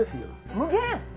無限！？